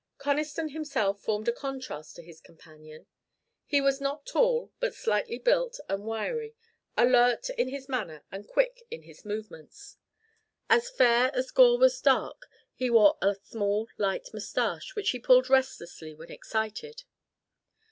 Conniston himself formed a contrast to his companion. He was not tall, but slightly built and wiry, alert in his manner and quick in his movements. As fair as Gore was dark, he wore a small light mustache, which he pulled restlessly when excited.